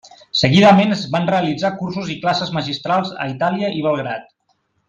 Seguidament es van realitzar cursos i classes magistrals a Itàlia i Belgrad.